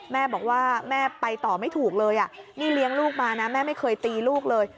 แม่บอกว่าแม่ไปต่อไม่ถูกเลยนี่เลี้ยงลูกมานะแม่ไม่เคยตีลูกเลย